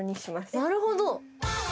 なるほど。